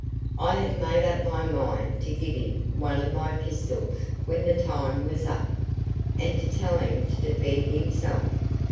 I had made up my mind to give him one of my pistols when the time was up, and to tell him to defend himself.